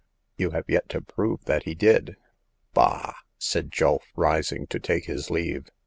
You have yet to prove that he did." Bah !" said Julf, rising to take his leave.